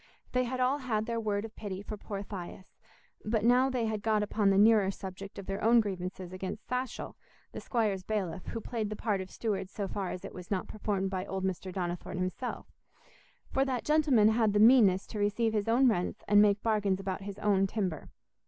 They had all had their word of pity for poor Thias, but now they had got upon the nearer subject of their own grievances against Satchell, the Squire's bailiff, who played the part of steward so far as it was not performed by old Mr. Donnithorne himself, for that gentleman had the meanness to receive his own rents and make bargains about his own timber.